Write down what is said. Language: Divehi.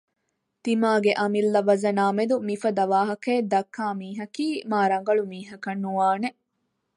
ތިމާގެ އަމިއްލަ ވަޒަނާމެދު މިފަދަ ވާހަކައެއް ދައްކާ މީހަކީ މާ ރަނގަޅު މީހަކަށް ނުވާނެ